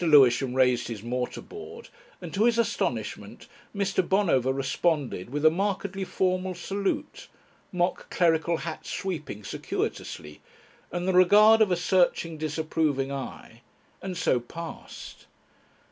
Lewisham raised his mortar board, and to his astonishment Mr. Bonover responded with a markedly formal salute mock clerical hat sweeping circuitously and the regard of a searching, disapproving eye, and so passed.